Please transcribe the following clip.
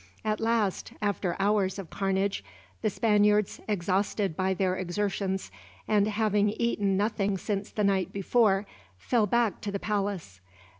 At last, after hours of carnage, the Spaniards, exhausted by their exertions and having eaten nothing since the night before, fell back to the palace.